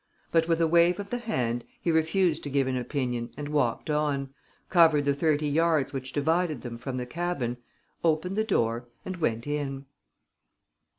But, with a wave of the hand, he refused to give an opinion and walked on, covered the thirty yards which divided them from the cabin, opened the door and went in.